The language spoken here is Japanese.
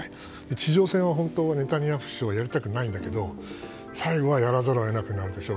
地上戦は本当にネタニヤフ首相はやりたくないんだけど最後はやらざるを得なくなるでしょう。